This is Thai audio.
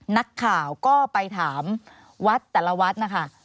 นักข่าวก็ไปถามวัดแต่ละวัดนะคะ